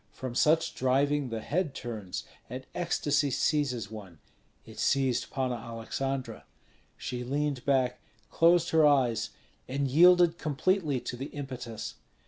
From such driving the head turns, and ecstasy seizes one; it seized Panna Aleksandra. She leaned back, closed her eyes, and yielded completely to the impetus.